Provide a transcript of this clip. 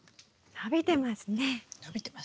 伸びてますね。